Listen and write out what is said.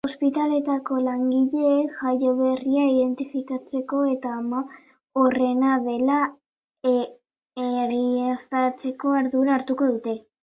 Ospitaleetako langileek jaioberria identifikatzeko eta ama horrena dela egiaztatzeko ardura hartuko dute.